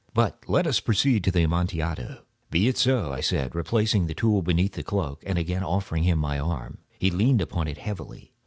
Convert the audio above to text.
"But let us proceed to the Amontillado." "Be it so," I said, replacing the tool beneath the cloak, and again offering him my arm. He leaned upon it heavily.